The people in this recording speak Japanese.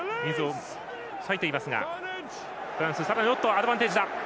アドバンテージだ。